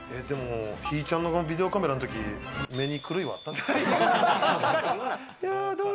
ひぃちゃんのビデオカメラのとき、目に狂いはあったで。